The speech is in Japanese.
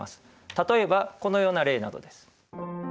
例えばこのような例などです。